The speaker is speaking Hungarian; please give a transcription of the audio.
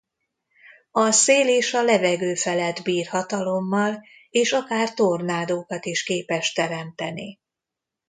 A szél és a levegő felett bír hatalommal és akár tornádókat is képes teremteni.